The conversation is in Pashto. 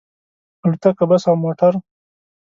الوتکه، بس او موټر